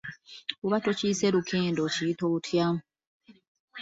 Bw'oba tokiyise lukende okiyita otya?